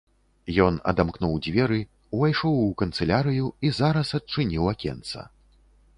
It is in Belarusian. Ён адамкнуў дзверы, увайшоў у канцылярыю і зараз адчыніў акенца.